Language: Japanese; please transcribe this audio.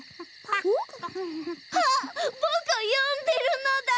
あっぼくをよんでるのだ！